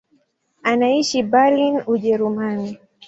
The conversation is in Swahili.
Anaishi Berlin, Ujerumani.